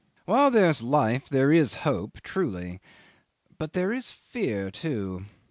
While there's life there is hope, truly; but there is fear too.